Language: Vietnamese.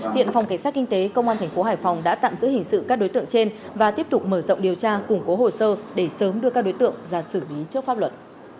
hiện phòng cảnh sát kinh tế công an thành phố hải phòng đã tạm giữ hình sự các đối tượng trên và tiếp tục mở rộng điều tra củng cố hồ sơ để sớm đưa các đối tượng ra xử lý trước pháp luật